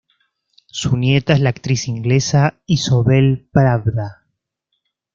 Su nieta es la actriz inglesa Isobel Pravda.